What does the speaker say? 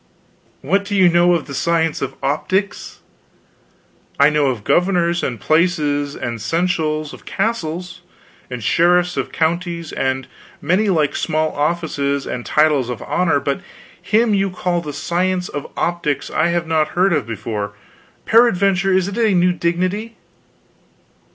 "What do you know of the science of optics?" "I know of governors of places, and seneschals of castles, and sheriffs of counties, and many like small offices and titles of honor, but him you call the Science of Optics I have not heard of before; peradventure it is a new dignity."